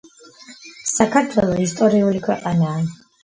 საქართველო ისტორიული ქვეყანაა